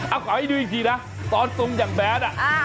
เอ้าขอให้ดูอีกทีนะตอนตรงจากแบทอ่ะ